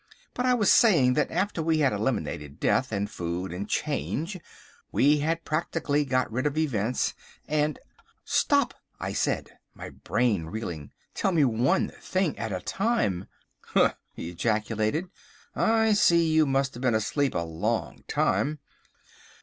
But I was saying that after we had eliminated Death, and Food, and Change, we had practically got rid of Events, and—" "Stop!" I said, my brain reeling. "Tell me one thing at a time." "Humph!" he ejaculated. "I see, you must have been asleep a long time.